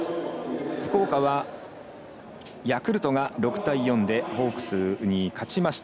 福岡はヤクルトが６対４でホークスに勝ちました。